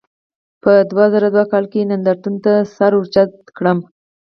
په دوه زره دوه کال کې نندارتون ته سر ورجوت کړم.